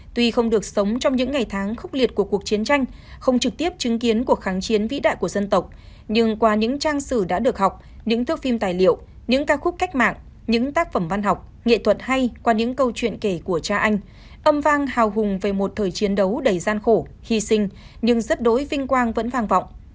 tuy không được sống trong những ngày tháng khốc liệt của cuộc chiến tranh không trực tiếp chứng kiến cuộc kháng chiến vĩ đại của dân tộc nhưng qua những trang sử đã được học những thước phim tài liệu những ca khúc cách mạng những tác phẩm văn học nghệ thuật hay qua những câu chuyện kể của cha anh âm vang hào hùng về một thời chiến đấu đầy gian khổ hy sinh nhưng rất đối vinh quang vẫn vang vọng